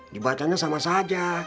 dibacanya sama saja